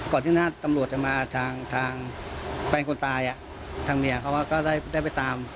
ก่อนที่นั้นตำรวจจะมาทางทางแปลงคนตายอ่ะทางเมียเขาก็ได้ได้ไปตาม